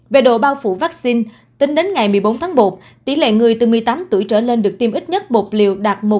về độ bao phủ vaccine tính đến ngày một mươi bốn tháng một tỷ lệ người từ một mươi tám tuổi trở lên được tiêm ít nhất bột liều đạt một trăm linh trên mức bảy mươi